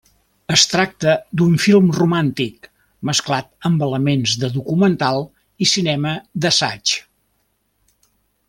Es tracta d'un film romàntic, mesclat amb elements de documental i cinema d'assaig.